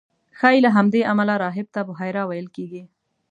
ښایي له همدې امله راهب ته بحیرا ویل کېږي.